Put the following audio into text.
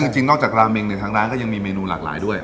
คือจริงนอกจากราเมงเนี่ยทางร้านก็ยังมีเมนูหลากหลายด้วย